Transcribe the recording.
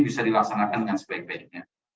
bisa dilaksanakan dengan sebaik baiknya